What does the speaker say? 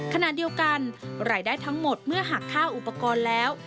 ขณะเดียวกันรายได้ทั้งหมดเมื่อหักค่าอุปกรณ์แล้ว